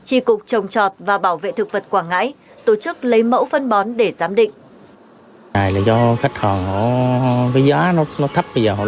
tri cục trồng chọt và bảo vệ thực vật quảng ngãi tổ chức lấy mẫu phân bón để giám định